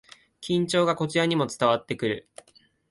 緊張がこちらにも伝わってくる